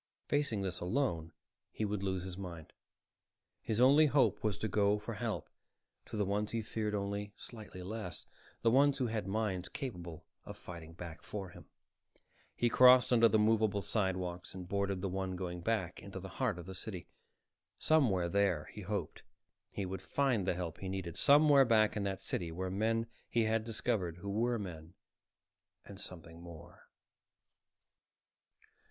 Facing this alone, he would lose his mind. His only hope was to go for help to the ones he feared only slightly less, the ones who had minds capable of fighting back for him. He crossed under the moveable sidewalks and boarded the one going back into the heart of the city. Somewhere there, he hoped, he would find the help he needed. Somewhere back in that city were men he had discovered who were men and something more.